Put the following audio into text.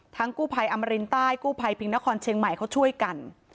กู้ภัยอมรินใต้กู้ภัยพิงนครเชียงใหม่เขาช่วยกัน